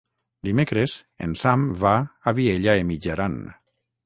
Dimecres en Sam va a Vielha e Mijaran.